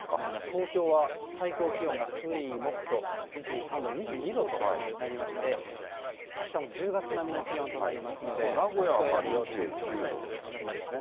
東京は最高気温が水、木と、２３度、２２度となりまして、あしたも１０月並みの気温となりますので、一方、名古屋は２９度というのがありますね。